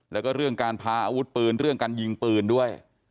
แล้วก็เรื่องการพาอาวุธปืนเรื่องการยิงปืนด้วย